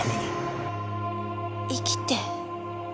生きて。